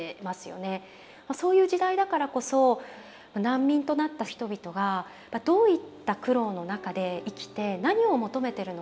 そういう時代だからこそ難民となった人々がどういった苦労の中で生きて何を求めてるのか。